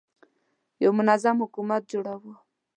یو منظم حکومت جوړوو.